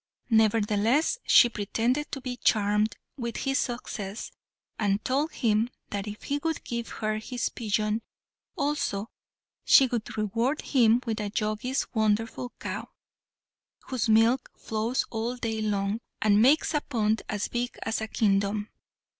Nevertheless she pretended to be charmed with his success, and told him that if he would give her this pigeon also, she would reward him with the Jogi's wonderful cow, whose milk flows all day long, and makes a pond as big as a kingdom.